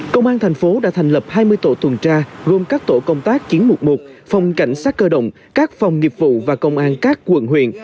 công an thành phố đã thành lập hai mươi tổ tuần tra gồm các tổ công tác chiến mục một phòng cảnh sát cơ động các phòng nghiệp vụ và công an các quận huyện